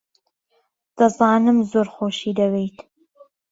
دەزانم زۆر خۆشی دەوێیت.